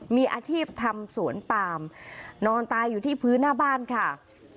มีอาชีพทำสวนปามนอนตายอยู่ที่พื้นหน้าบ้านค่ะ